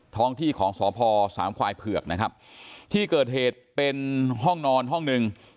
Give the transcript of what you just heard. ท้องที่ของสพสามควายเผือกนะครับที่เกิดเหตุเป็นห้องนอนห้องหนึ่ง